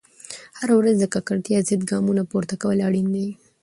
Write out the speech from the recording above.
هره ورځ د ککړتیا ضد ګامونه پورته کول اړین دي.